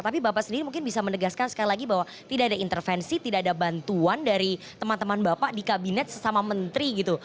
tapi bapak sendiri mungkin bisa menegaskan sekali lagi bahwa tidak ada intervensi tidak ada bantuan dari teman teman bapak di kabinet sesama menteri gitu